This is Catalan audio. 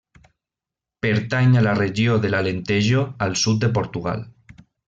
Pertany a la regió de l'Alentejo, al sud de Portugal.